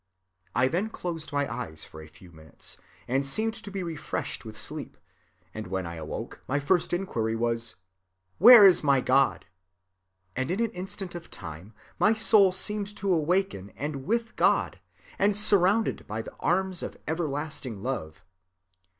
"I then closed my eyes for a few minutes, and seemed to be refreshed with sleep; and when I awoke, the first inquiry was, Where is my God? And in an instant of time, my soul seemed awake in and with God, and surrounded by the arms of everlasting love.